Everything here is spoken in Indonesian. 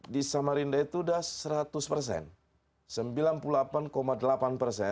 di samarinda itu sudah seratus persen